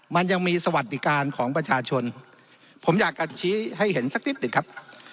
มันยังมีสวัสดิการของประชาชนผมอยากจะชี้ให้เห็นสักนิดหนึ่งครับ